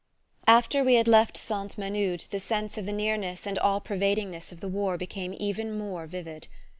After we had left Sainte Menehould the sense of the nearness and all pervadingness of the war became even more vivid.